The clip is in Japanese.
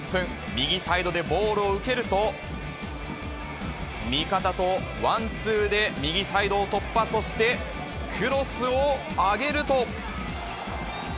右サイドでボールを受けると、味方とワンツーで右サイドを突破、そしてクロスを上げると。